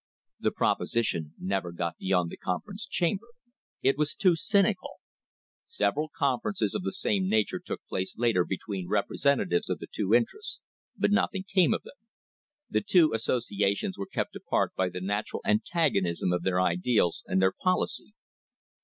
The proposition never got beyond the conference chamber. It was too cynical. Several conferences of the same nature took place later between representatives of the two interests, but nothing came of them. The two asso ciations were kept apart by the natural antagonism of their ideals and their policy.